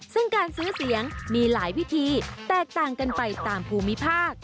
ซึ่งการซื้อเสียงมีหลายวิธีแตกต่างกันไปตามภูมิภาค